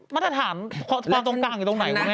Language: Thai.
มาตรฐานความตรงกลางอยู่ตรงไหน